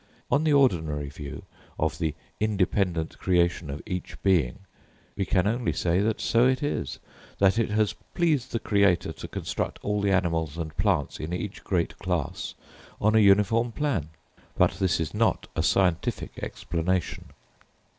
On the ordinary view of the independent creation of each being, we can only say that so it is; that it has pleased the Creator to construct all the animals and plants in each great class on a uniform plan; but this is not a scientific explanation.